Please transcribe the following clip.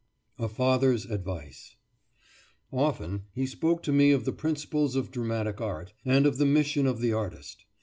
A FATHER'S ADVICE Often he spoke to me of the principles of dramatic art, and of the mission of the artist.